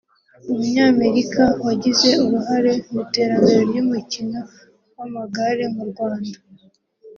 Umunyamerika wagize uruhare mu iterambere ry’umukino w’amagare mu Rwanda